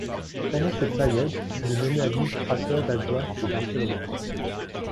Pendant cette période, il est nommé administrateur d’Aguas de Barcelona.